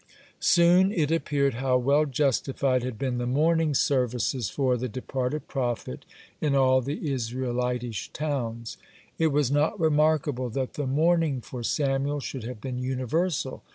Soon it appeared how well justified had been the mourning services for the departed prophet in all the Israelitish towns. (71) It was not remarkable that the mourning for Samuel should have been universal.